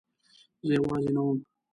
زه یوازې نه وم.